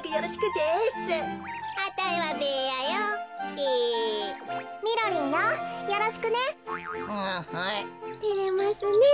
てれますねえ。